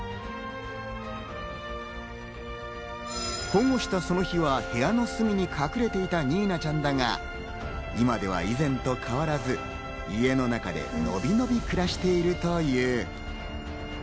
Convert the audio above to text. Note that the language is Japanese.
保護したその日は部屋の隅に隠れていたニーナちゃんだが、今では以前と変わらず家の中でのびのび暮らしているという。